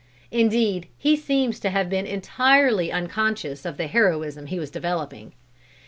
Indeed he seems to have been entirely unconscious of the heroism he was developing.